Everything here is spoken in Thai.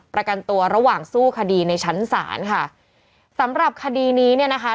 ประกันตัวระหว่างสู้คดีในชั้นศาลค่ะสำหรับคดีนี้เนี่ยนะคะ